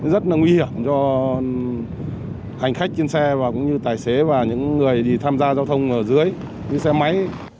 rất là nguy hiểm cho hành khách trên xe và cũng như tài xế và những người tham gia giao thông ở dưới những xe máy